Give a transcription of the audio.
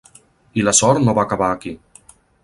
I la sort no va acabar aquí.